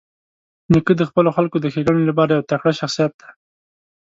نیکه د خپلو خلکو د ښېګڼې لپاره یو تکړه شخصیت دی.